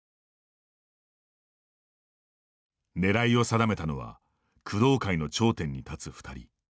狙いを定めたのは工藤会の頂点に立つ２人。